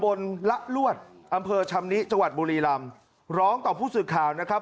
ละลวดอำเภอชำนิจังหวัดบุรีรำร้องต่อผู้สื่อข่าวนะครับ